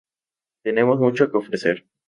Tenemos mucho que ofrecer.